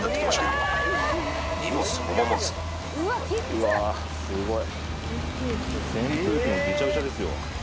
うわすごい。